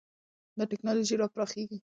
دا ټېکنالوژي لا پراخېږي.